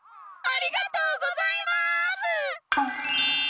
ありがとうございます！